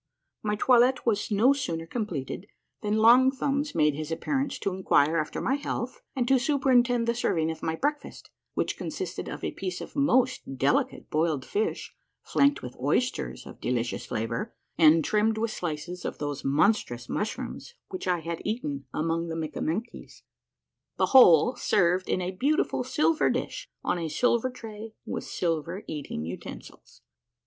]\Iy toilet was no sooner completed than Long Thumbs made his appearance to inquire after my health and to superintend the serving of my breakfast, which consisted of a piece of most delicate boiled fish flanked with oysters of delicious flavor, and trimmed with slices of those monstrous mushrooms which I had eaten among the Mikkamenkies, the whole served in a beautiful silver dish on a silver tray with silver eating utensils.